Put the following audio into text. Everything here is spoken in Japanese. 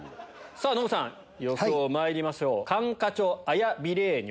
さぁノブさん予想まいりましょう。